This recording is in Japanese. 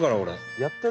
やってる？